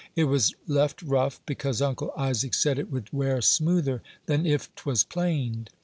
It was left rough, because Uncle Isaac said it would wear smoother than if 'twas planed.